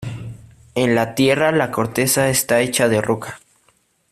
En la Tierra la corteza está hecha de roca.